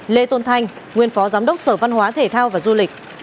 lê tôn thanh nguyên phó giám đốc sở văn hóa thể thao và du lịch